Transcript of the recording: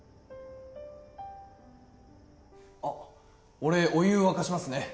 俺お湯沸かしますね！